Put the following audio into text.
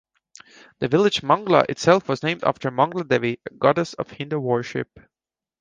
The village Mangla itself was named after Mangla Devi, a goddess of Hindu worship.